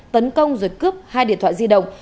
tấn công rồi cướp hai điện thoại di động